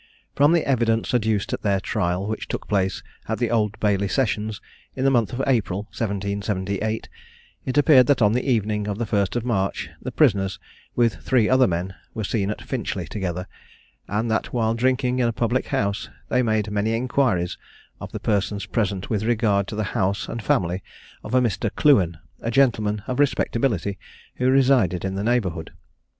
From the evidence adduced at their trial, which took place at the Old Bailey Sessions in the month of April, 1778, it appeared that on the evening of the 1st of March, the prisoners, with three other men, were seen at Finchley together, and that while drinking in a public house they made many inquiries of the persons present with regard to the house and family of a Mr. Clewen, a gentleman of respectability who resided in the neighbourhood.